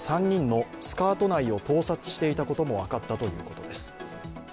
３人のスカート内を盗撮していたことも分かったということです。